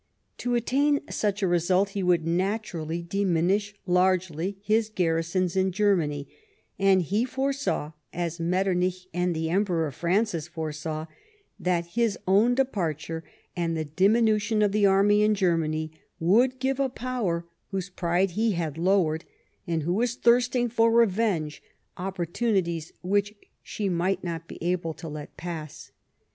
To attain such a result he would naturally diminish largely his garrisons in Germany ; and he foresaw, as Metternich and the Em peror Francis foresaw, that his own departure, and the diminution of the army in Germany, would give a Power, whose pride he had lowered, and who was thirsting for revenge, opportunities which she might not be able to let pass.